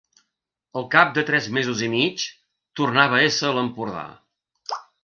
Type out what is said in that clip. Al cap de tres mesos i mig, tornava a ésser a l'Empordà.